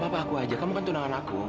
gak papa aku aja kamu kan tunangan aku